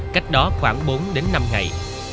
cách đó khoảng bốn đến năm ngày